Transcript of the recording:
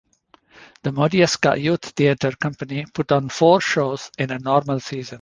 The Modjeska Youth Theater Company put on four shows in a normal season.